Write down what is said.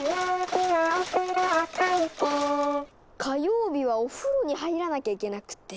火曜日はおふろに入らなきゃいけなくて。